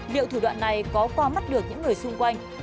liệu thủ đoạn này có qua mắt được những người xung quanh